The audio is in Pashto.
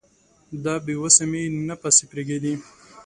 دا بې وسي مي نه پسې پرېږدي